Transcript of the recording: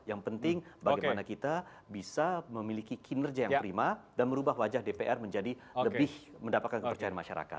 yang penting bagaimana kita bisa memiliki kinerja yang prima dan merubah wajah dpr menjadi lebih mendapatkan kepercayaan masyarakat